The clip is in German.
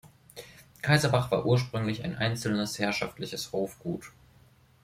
Kaisersbach war ursprünglich ein einzelnes herrschaftliches Hofgut.